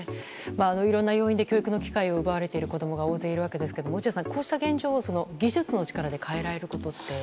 いろんな要因で教育の機会を奪われている子供が大勢いるわけですが落合さん、こうした現状を技術の力で変えることって。